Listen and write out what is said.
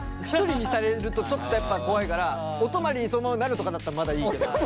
１人にされるとちょっと怖いからお泊まりにそのままなるとかだったらまだいいかな。